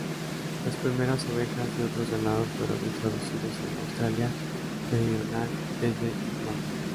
Las primeras ovejas y otros ganados fueron introducidos en Australia Meridional desde Tasmania.